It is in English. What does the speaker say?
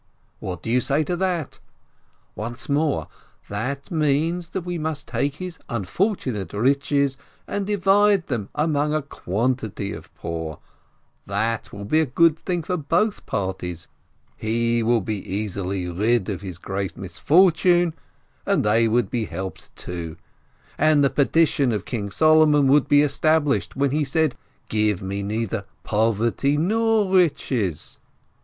What do you say to that? Once more: that means that we must take his unfortunate riches and divide them among a quantity of poor ! That will be a good thing for both parties : he will be easily rid of his great misfortune, and they would be helped, too, and the petition of King Solomon would be established, when he said, 'Give me neither poverty nor riches.'